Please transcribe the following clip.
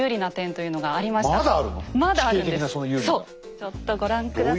ちょっとご覧下さい。